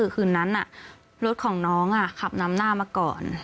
คืนนั้นรถของน้องขับนำหน้ามาก่อน